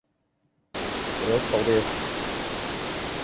Liels paldies.